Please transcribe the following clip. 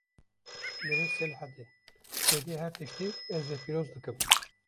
Birêz Silhedîn, beriya her tiştî ez we pîroz dikim